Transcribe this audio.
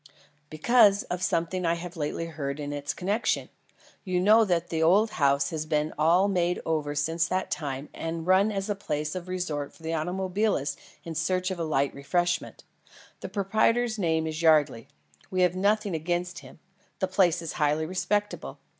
"Because of something I have lately heard in its connection. You know that the old house has been all made over since that time and run as a place of resort for automobilists in search of light refreshments. The proprietor's name is Yardley. We have nothing against him; the place is highly respectable.